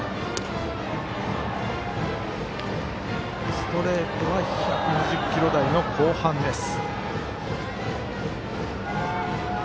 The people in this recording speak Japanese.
ストレートは１２０キロ台の後半です。